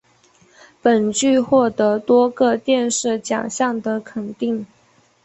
本剧获得过多个电视奖项的肯定。